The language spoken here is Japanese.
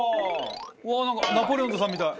うわなんかナポレオンズさんみたい。